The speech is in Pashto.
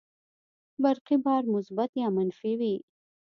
برقي بار مثبت یا منفي وي.